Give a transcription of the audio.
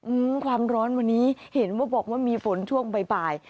อืมความร้อนวันนี้เห็นว่าบอกว่ามีฝนช่วงบ่ายบ่าย